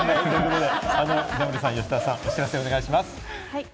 稲森さん、吉沢さん、お知らせをお願いします。